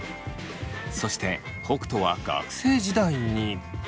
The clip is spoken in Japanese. そして北斗は学生時代に。